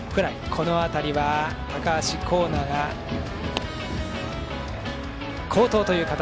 この辺りは、高橋光成が好投という形。